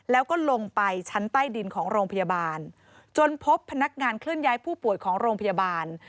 แล้วก็ลงไปชั้นใต้ดินของโรงพยาบาลจนพบพนักงานเคลื่อนย้ายผู้ป่วยของโรงพยาบาล